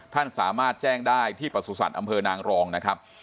ท่านสามารถแจ้งได้ที่ประสุทธิ์อำเภอนางรองนะครับ